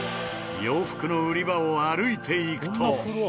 洋服の売り場を歩いて行くと。